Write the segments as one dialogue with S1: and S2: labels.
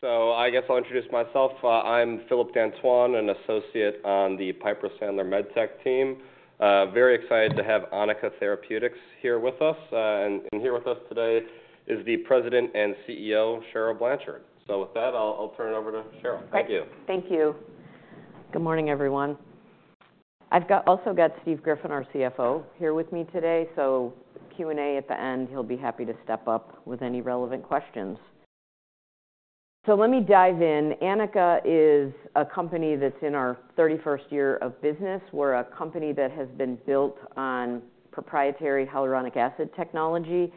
S1: So I guess I'll introduce myself. I'm Philip Dantoin, an associate on the Piper Sandler MedTech team. Very excited to have Anika Therapeutics here with us. And here with us today is the President and CEO, Cheryl Blanchard. So with that, I'll turn it over to Cheryl. Thank you.
S2: Thank you. Good morning, everyone. I've also got Steve Griffin, our CFO, here with me today. So Q&A at the end, he'll be happy to step up with any relevant questions. So let me dive in. Anika is a company that's in our 31st year of business. We're a company that has been built on proprietary hyaluronic acid technology.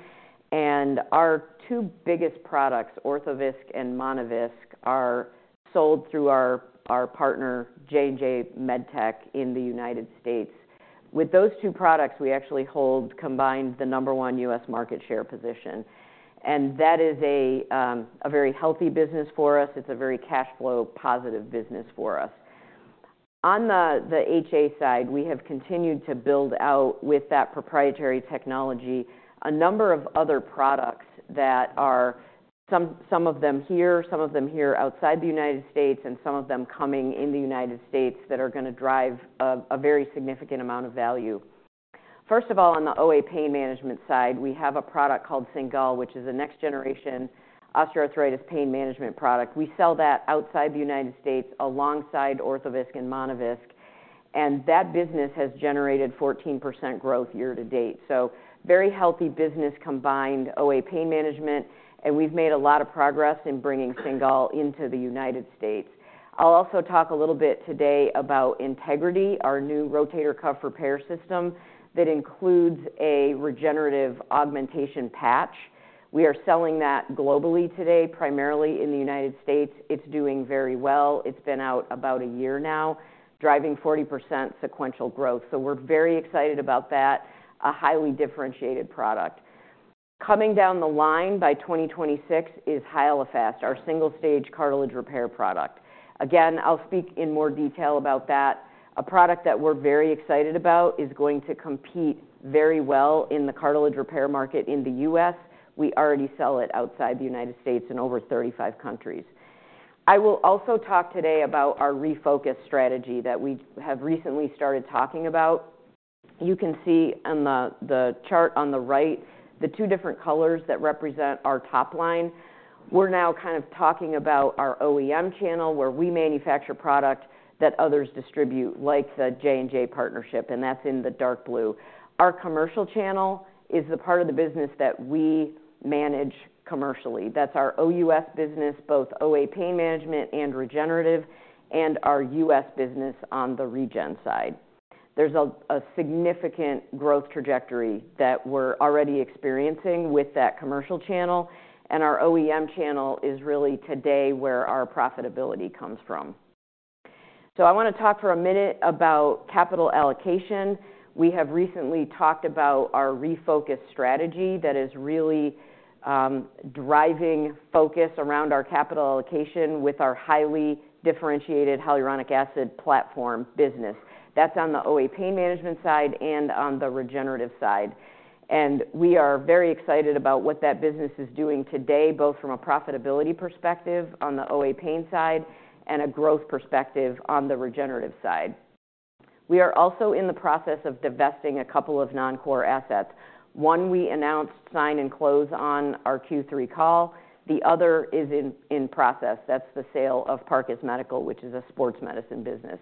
S2: And our two biggest products, Orthovisc and Monovisc, are sold through our partner, J&J MedTech, in the United States. With those two products, we actually hold combined the number one U.S. market share position. And that is a very healthy business for us. It's a very cash flow positive business for us. On the HA side, we have continued to build out, with that proprietary technology, a number of other products that are some of them here, some of them here outside the United States, and some of them coming in the United States that are going to drive a very significant amount of value. First of all, on the OA pain management side, we have a product called Cingal, which is a next generation osteoarthritis pain management product. We sell that outside the United States alongside Orthovisc and Monovisc, and that business has generated 14% growth year-to-date, so very healthy business combined OA pain management, and we've made a lot of progress in bringing Cingal into the United States. I'll also talk a little bit today about Integrity, our new rotator cuff repair system that includes a regenerative augmentation patch. We are selling that globally today, primarily in the United States. It's doing very well. It's been out about a year now, driving 40% sequential growth. So we're very excited about that, a highly differentiated product. Coming down the line by 2026 is Hyalofast, our single stage cartilage repair product. Again, I'll speak in more detail about that. A product that we're very excited about is going to compete very well in the cartilage repair market in the U.S. We already sell it outside the United States in over 35 countries. I will also talk today about our refocus strategy that we have recently started talking about. You can see on the chart on the right the two different colors that represent our top line. We're now kind of talking about our OEM channel, where we manufacture product that others distribute, like the J&J partnership, and that's in the dark blue. Our commercial channel is the part of the business that we manage commercially. That's our OUS business, both OA pain management and regenerative, and our U.S. business on the regen side. There's a significant growth trajectory that we're already experiencing with that commercial channel. And our OEM channel is really today where our profitability comes from. So I want to talk for a minute about capital allocation. We have recently talked about our refocus strategy that is really driving focus around our capital allocation with our highly differentiated hyaluronic acid platform business. That's on the OA pain management side and on the regenerative side. We are very excited about what that business is doing today, both from a profitability perspective on the OA pain side and a growth perspective on the regenerative side. We are also in the process of divesting a couple of non-core assets. One we announced signed and closed on our Q3 call. The other is in process. That's the sale of Parcus Medical, which is a sports medicine business.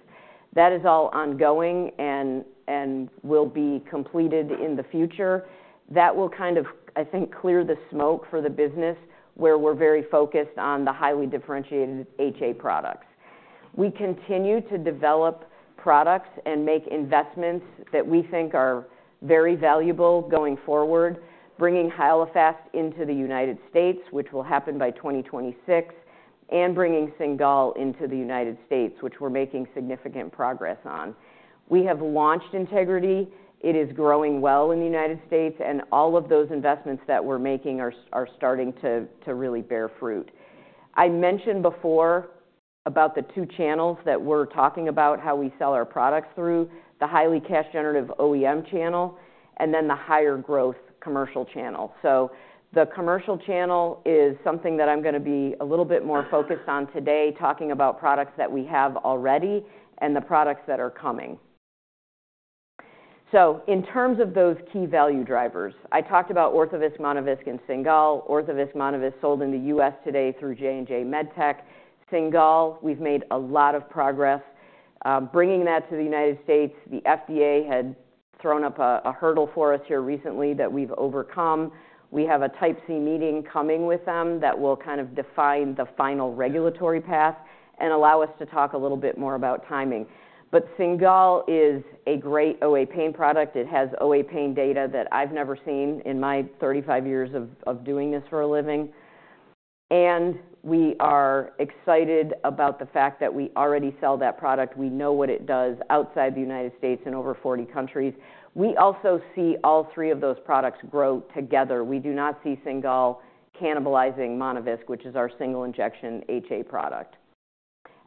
S2: That is all ongoing and will be completed in the future. That will kind of, I think, clear the smoke for the business where we're very focused on the highly differentiated HA products. We continue to develop products and make investments that we think are very valuable going forward, bringing Hyalofast into the United States, which will happen by 2026, and bringing Cingal into the United States, which we're making significant progress on. We have launched Integrity. It is growing well in the United States. And all of those investments that we're making are starting to really bear fruit. I mentioned before about the two channels that we're talking about how we sell our products through, the highly cash generative OEM channel and then the higher growth commercial channel. So the commercial channel is something that I'm going to be a little bit more focused on today, talking about products that we have already and the products that are coming. So in terms of those key value drivers, I talked about Orthovisc, Monovisc, and Cingal. Orthovisc, Monovisc sold in the U.S. today through J&J MedTech. Cingal, we've made a lot of progress bringing that to the United States. The FDA had thrown up a hurdle for us here recently that we've overcome. We have a Type C meeting coming with them that will kind of define the final regulatory path and allow us to talk a little bit more about timing. But Cingal is a great OA pain product. It has OA pain data that I've never seen in my 35 years of doing this for a living. And we are excited about the fact that we already sell that product. We know what it does outside the United States in over 40 countries. We also see all three of those products grow together. We do not see Cingal cannibalizing Monovisc, which is our single injection HA product.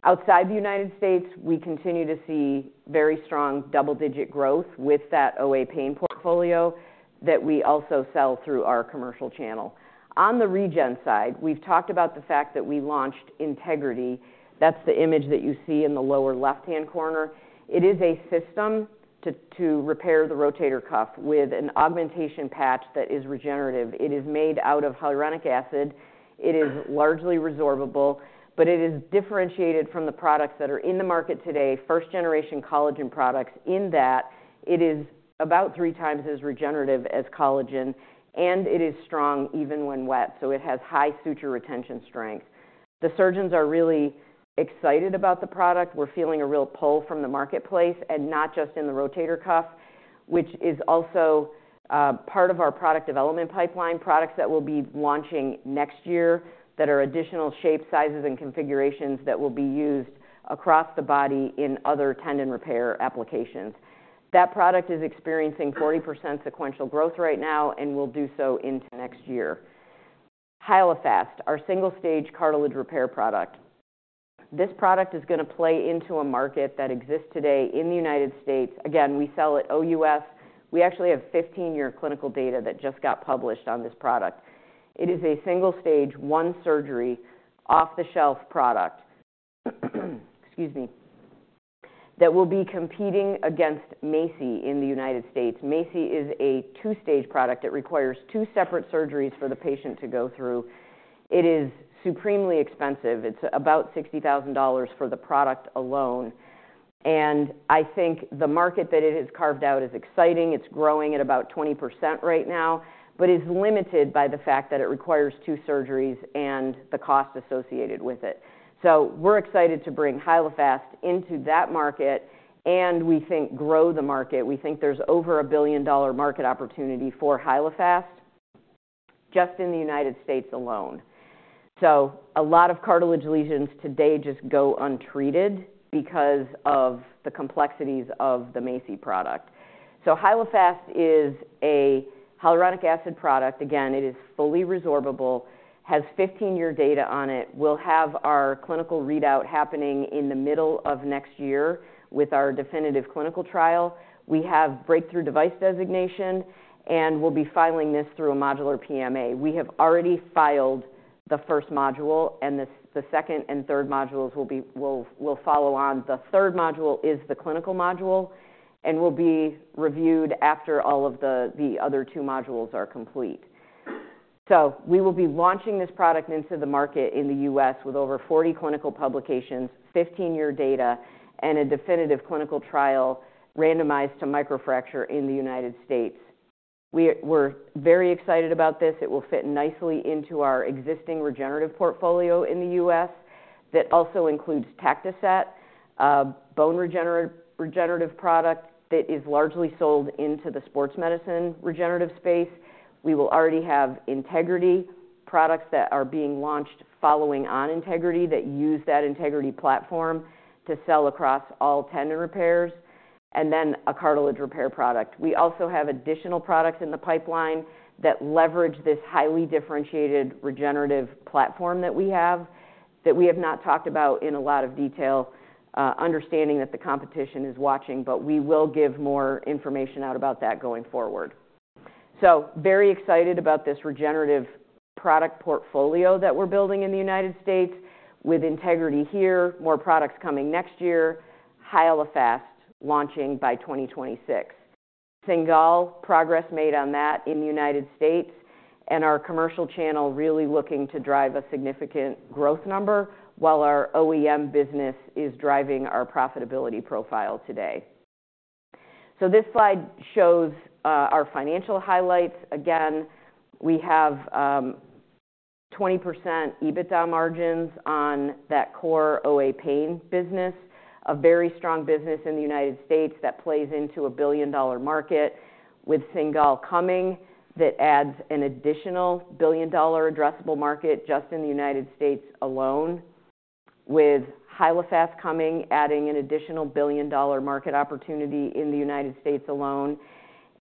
S2: Outside the United States, we continue to see very strong double digit growth with that OA pain portfolio that we also sell through our commercial channel. On the regen side, we've talked about the fact that we launched Integrity. That's the image that you see in the lower left hand corner. It is a system to repair the rotator cuff with an augmentation patch that is regenerative. It is made out of hyaluronic acid. It is largely resorbable, but it is differentiated from the products that are in the market today, first generation collagen products in that it is about three times as regenerative as collagen, and it is strong even when wet. So it has high suture retention strength. The surgeons are really excited about the product. We're feeling a real pull from the marketplace and not just in the rotator cuff, which is also part of our product development pipeline, products that we'll be launching next year that are additional shapes, sizes, and configurations that will be used across the body in other tendon repair applications. That product is experiencing 40% sequential growth right now and will do so into next year. Hyalofast, our single-stage cartilage repair product. This product is going to play into a market that exists today in the United States. Again, we sell at OUS. We actually have 15-year clinical data that just got published on this product. It is a single-stage, one surgery, off-the-shelf product that will be competing against MACI in the United States. MACI is a two-stage product that requires two separate surgeries for the patient to go through. It is supremely expensive. It's about $60,000 for the product alone, and I think the market that it has carved out is exciting. It's growing at about 20% right now, but is limited by the fact that it requires two surgeries and the cost associated with it. We're excited to bring Hyalofast into that market and we think grow the market. We think there's over $1 billion market opportunity for Hyalofast just in the United States alone. A lot of cartilage lesions today just go untreated because of the complexities of the MACI product. Hyalofast is a hyaluronic acid product. Again, it is fully resorbable, has 15-year data on it. We'll have our clinical readout happening in the middle of next year with our definitive clinical trial. We have Breakthrough Device Designation and we'll be filing this through a Modular PMA. We have already filed the first module and the second and third modules will follow on. The third module is the clinical module and will be reviewed after all of the other two modules are complete. We will be launching this product into the market in the U.S. With over 40 clinical publications, 15-year data, and a definitive clinical trial randomized to microfracture in the United States. We're very excited about this. It will fit nicely into our existing regenerative portfolio in the U.S. That also includes Tactoset, a bone regenerative product that is largely sold into the sports medicine regenerative space. We will already have Integrity products that are being launched following on Integrity that use that Integrity platform to sell across all tendon repairs and then a cartilage repair product. We also have additional products in the pipeline that leverage this highly differentiated regenerative platform that we have not talked about in a lot of detail, understanding that the competition is watching, but we will give more information out about that going forward. Very excited about this regenerative product portfolio that we're building in the United States with Integrity here, more products coming next year, Hyalofast launching by 2026. Cingal, progress made on that in the United States and our commercial channel really looking to drive a significant growth number while our OEM business is driving our profitability profile today. This slide shows our financial highlights. Again, we have 20% EBITDA margins on that core OA pain business, a very strong business in the United States that plays into a $1 billion market with Cingal coming that adds an additional $1 billion addressable market just in the United States alone, with Hyalofast coming adding an additional $1 billion market opportunity in the United States alone,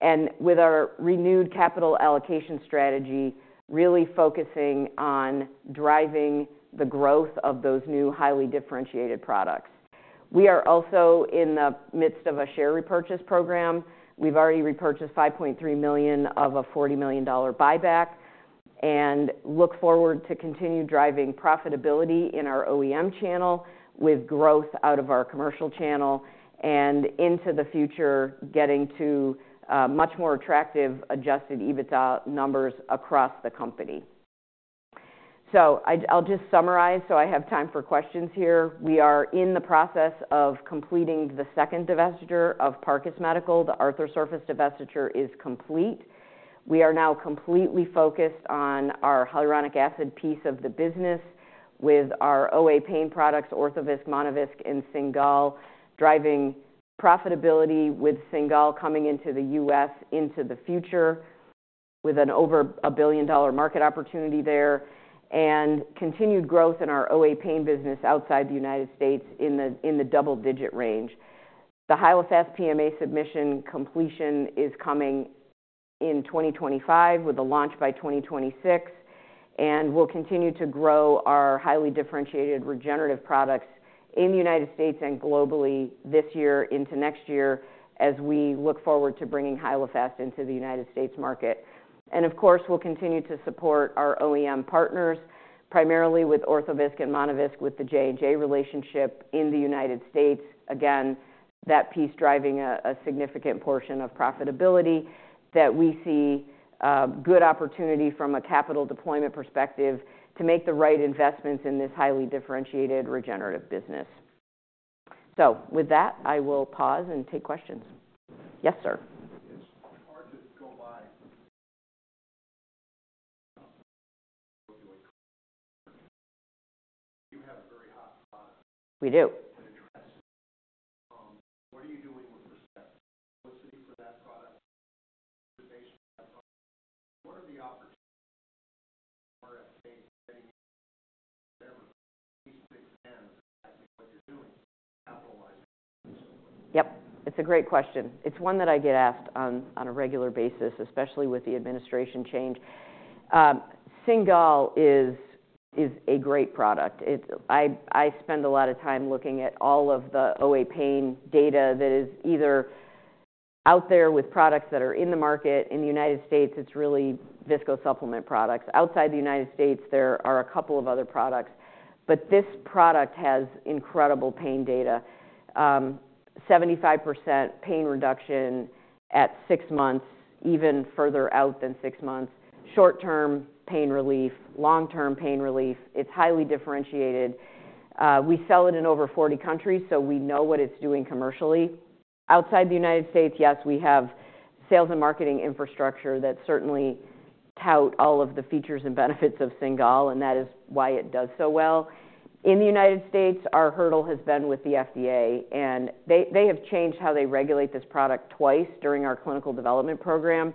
S2: and with our renewed capital allocation strategy, really focusing on driving the growth of those new highly differentiated products. We are also in the midst of a share repurchase program. We've already repurchased 5.3 million of a $40 million buyback and look forward to continuing driving profitability in our OEM channel with growth out of our commercial channel and into the future, getting to much more attractive adjusted EBITDA numbers across the company. So I'll just summarize so I have time for questions here. We are in the process of completing the second divestiture of Parcus Medical. The Arthrosurface divestiture is complete. We are now completely focused on our hyaluronic acid piece of the business with our OA pain products, Orthovisc, Monovisc, and Cingal, driving profitability with Cingal coming into the U.S. into the future with an over $1 billion market opportunity there and continued growth in our OA pain business outside the United States in the double digit range. The Hyalofast PMA submission completion is coming in 2025 with a launch by 2026. And we'll continue to grow our highly differentiated regenerative products in the United States and globally this year into next year as we look forward to bringing Hyalofast into the United States market. And of course, we'll continue to support our OEM partners, primarily with Orthovisc and Monovisc, with the J&J relationship in the United States. Again, that piece driving a significant portion of profitability that we see good opportunity from a capital deployment perspective to make the right investments in this highly differentiated regenerative business. So with that, I will pause and take questions. Yes, sir.
S3: It's hard to go by. You have a very hot product. We do. What are you doing with respect to capacity for that product? What are the opportunities that you are getting whatever needs to expand exactly what you're doing? Capitalizing. Yep. It's a great question. It's one that I get asked on a regular basis, especially with the administration change. Cingal is a great product. I spend a lot of time looking at all of the OA pain data that is either out there with products that are in the market. In the United States, it's really viscosupplement products. Outside the United States, there are a couple of other products, but this product has incredible pain data. 75% pain reduction at six months, even further out than six months. Short term pain relief, long term pain relief. It's highly differentiated. We sell it in over 40 countries, so we know what it's doing commercially. Outside the United States, yes, we have sales and marketing infrastructure that certainly tout all of the features and benefits of Cingal, and that is why it does so well. In the United States, our hurdle has been with the FDA, and they have changed how they regulate this product twice during our clinical development program.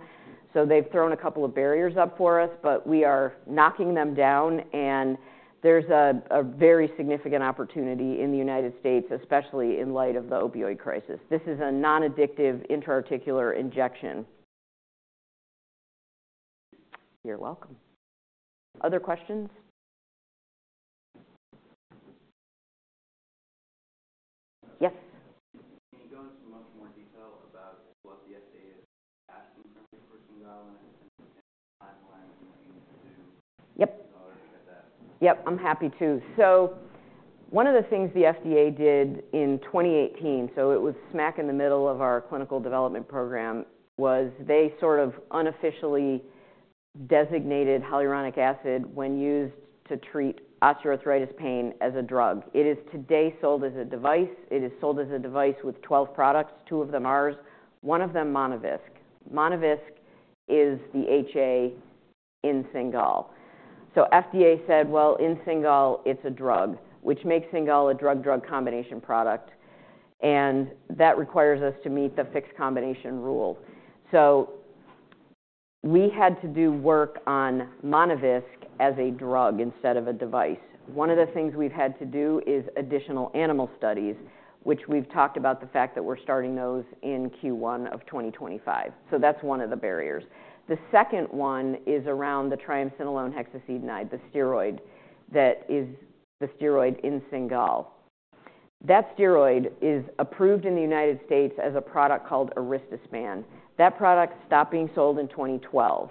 S3: They've thrown a couple of barriers up for us, but we are knocking them down, and there's a very significant opportunity in the United States, especially in light of the opioid crisis. This is a non-addictive intra-articular injection. You're welcome. Other questions? Yes.
S4: Can you go into much more detail about what the FDA is asking from you for Cingal and the timeline and what you need to do?
S2: Yep. Yep. I'm happy to. One of the things the FDA did in 2018, so it was smack in the middle of our clinical development program, was they sort of unofficially designated hyaluronic acid when used to treat osteoarthritis pain as a drug. It is today sold as a device. It is sold as a device with 12 products, two of them ours, one of them Monovisc. Monovisc is the HA in Cingal. So FDA said, well, in Cingal, it's a drug, which makes Cingal a drug-drug combination product, and that requires us to meet the Fixed Combination Rule. So we had to do work on Monovisc as a drug instead of a device. One of the things we've had to do is additional animal studies, which we've talked about the fact that we're starting those in Q1 of 2025. So that's one of the barriers. The second one is around the triamcinolone hexacetonide, the steroid that is the steroid in Cingal. That steroid is approved in the United States as a product called Aristospan. That product stopped being sold in 2012.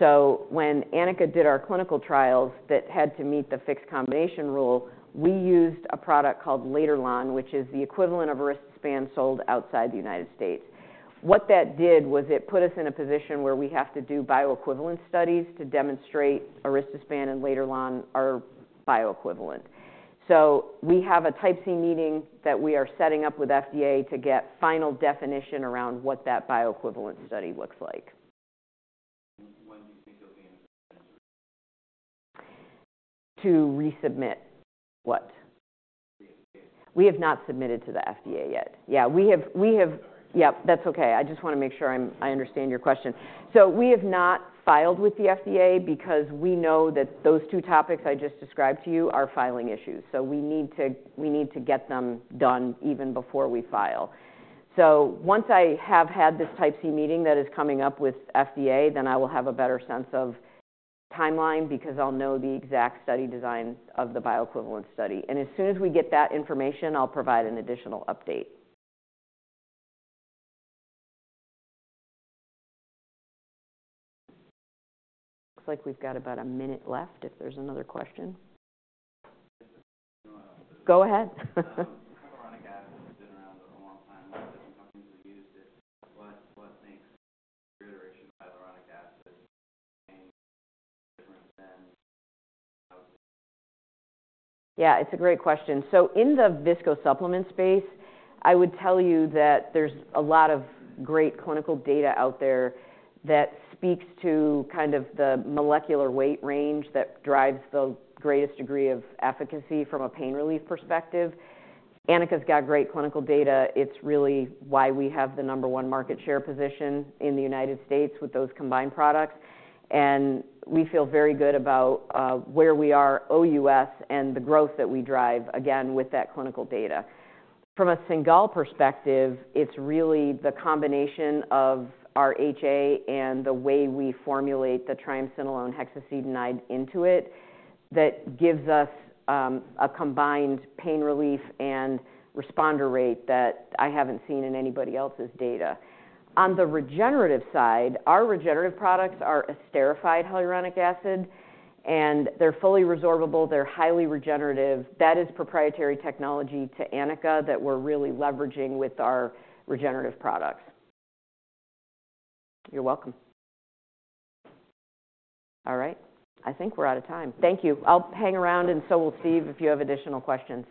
S2: So when Anika did our clinical trials that had to meet the Fixed Combination Rule, we used a product called Lederspan, which is the equivalent of Aristospan sold outside the United States. What that did was it put us in a position where we have to do bioequivalent studies to demonstrate Aristospan and Lederspan are bioequivalent. So we have a Type C Meeting that we are setting up with FDA to get final definition around what that bioequivalent study looks like. When do you think you'll be in the clinic? To resubmit what? We have not submitted to the FDA yet. Yeah. We have yep. That's okay. I just want to make sure I understand your question. So we have not filed with the FDA because we know that those two topics I just described to you are filing issues. We need to get them done even before we file. Once I have had this Type C meeting that is coming up with FDA, then I will have a better sense of timeline because I'll know the exact study design of the bioequivalent study. And as soon as we get that information, I'll provide an additional update. Looks like we've got about a minute left if there's another question. Go ahead. Hyaluronic acid has been around a long time. A lot of different companies have used it.
S5: What makes Anika's iteration of hyaluronic acid pain different than?
S2: Yeah. It's a great question. In the viscosupplement space, I would tell you that there's a lot of great clinical data out there that speaks to kind of the molecular weight range that drives the greatest degree of efficacy from a pain relief perspective. Anika's got great clinical data. It's really why we have the number one market share position in the United States with those combined products. And we feel very good about where we are OUS and the growth that we drive, again, with that clinical data. From a Cingal perspective, it's really the combination of our HA and the way we formulate the triamcinolone hexacetonide into it that gives us a combined pain relief and responder rate that I haven't seen in anybody else's data. On the regenerative side, our regenerative products are esterified hyaluronic acid, and they're fully resorbable. They're highly regenerative. That is proprietary technology to Anika that we're really leveraging with our regenerative products. You're welcome.
S1: All right. I think we're out of time.
S2: Thank you. I'll hang around, and so will Steve if you have additional questions.